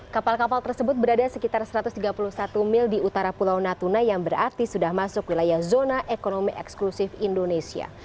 kapal kapal tersebut berada sekitar satu ratus tiga puluh satu mil di utara pulau natuna yang berarti sudah masuk wilayah zona ekonomi eksklusif indonesia